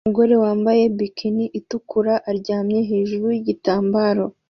Umugore wambaye bikini itukura aryamye hejuru yigitambaro